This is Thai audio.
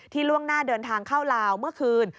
ล่วงหน้าเดินทางเข้าลาวเมื่อคืน